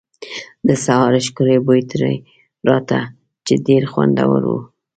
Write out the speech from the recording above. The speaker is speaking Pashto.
د سهار ښکلی بوی ترې راته، چې ډېر خوندور و.